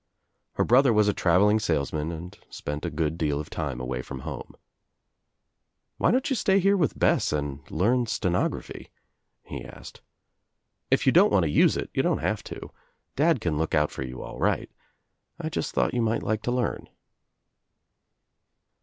Her brother was a traveling salesman and spent a good deal of time away from home. "Why don't you stay here with Bess and learn stenography," he asked. "If you don't want to use it you don't have to. Dad can look out for you all right. I just thought you might like to learn."